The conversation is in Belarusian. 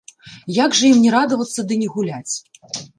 Як жа ім не радавацца ды не гуляць?